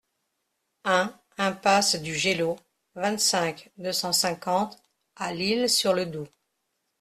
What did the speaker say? un impasse du Gelot, vingt-cinq, deux cent cinquante à L'Isle-sur-le-Doubs